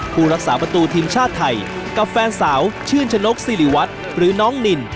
ผู้รักษาประตูทีมชาติไทยกับแฟนสาวชื่นชนกสิริวัตรหรือน้องนิน